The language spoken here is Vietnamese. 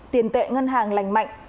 tiền tệ ngân hàng lành mạnh